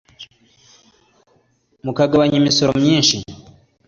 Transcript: mukagabanya imisoro myimshi